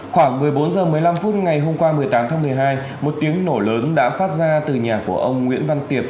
khoảng một mươi bốn h một mươi năm phút ngày hôm qua một mươi tám tháng một mươi hai một tiếng nổ lớn đã phát ra từ nhà của ông nguyễn văn tiệp